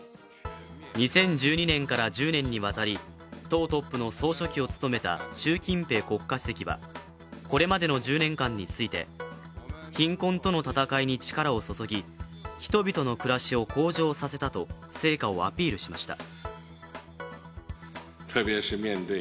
２０１２年から１０年にわたり党トップの書記を務めた習主席はこれまでの１０年間について、貧困との戦いに力を注ぎ、人々の暮らしを向上させたと成果をアピールしました。